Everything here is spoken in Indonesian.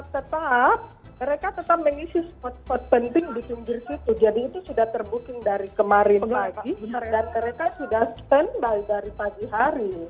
tetap mereka tetap mengisi spot spot penting di pinggir situ jadi itu sudah terbooking dari kemarin pagi dan mereka sudah stand by dari pagi hari